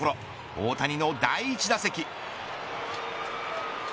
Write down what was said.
大谷の第１打席。